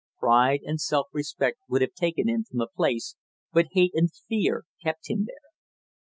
Pride and self respect would have taken him from the place but hate and fear kept him there.